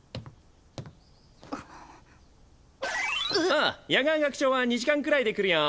あっ夜蛾学長は２時間くらいで来るよ。